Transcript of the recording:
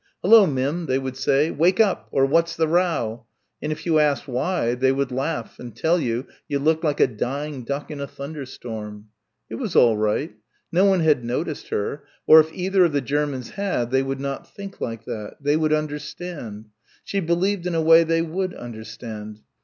"Hullo, Mim," they would say, "Wake up!" or "What's the row!" and if you asked why, they would laugh and tell you you looked like a dying duck in a thunderstorm.... It was all right. No one had noticed her or if either of the Germans had they would not think like that they would understand she believed in a way, they would understand.